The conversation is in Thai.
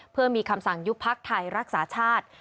เพื่อมีคำสั่งยุบพักไทยรักษาชาติ